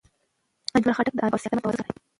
اجمل خټک د ادب او سیاست ترمنځ توازن ساتلی.